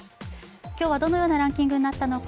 今日はどのようなランキングになったのか。